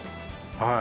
はい。